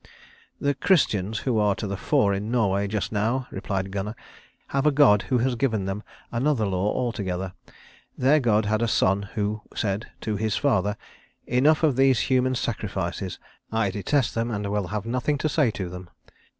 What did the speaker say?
"The Christians, who are to the fore in Norway just now," replied Gunnar, "have a God who has given them another law altogether. Their God had a Son Who said to His Father, 'Enough of these human sacrifices. I detest them and will have nothing to say to them.'